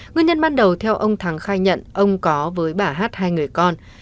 nguyên nhân ban đầu theo ông thắng khai nhận ông có với bà hát hai người con